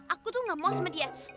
aku tuh gak mau sama dia